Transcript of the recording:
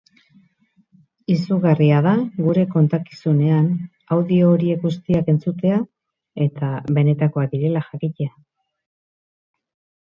Izugarria da gure kontakizunean audio horiek guztiak entzutea eta benetakoak direla jakitea.